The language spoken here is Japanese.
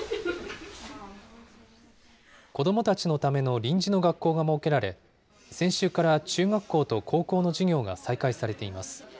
子どもたちのための臨時の学校が設けられ、先週から中学校と高校の授業が再開されています。